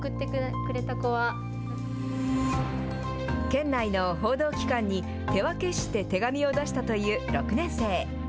県内の報道機関に、手分けして手紙を出したという６年生。